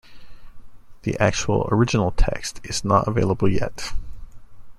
The actual original text is not available yet.